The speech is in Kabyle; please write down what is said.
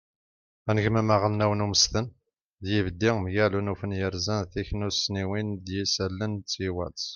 anegmam aɣelnaw n umesten d yibeddi mgal unufen yerzan tiknussniwin n yisallen d teywalt